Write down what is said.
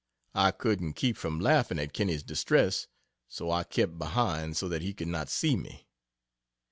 I couldn't keep from laughing at Kinney's distress, so I kept behind, so that he could not see me.